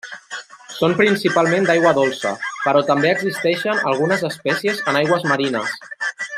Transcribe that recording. Són principalment d'aigua dolça, però també existeixen algunes espècies en aigües marines.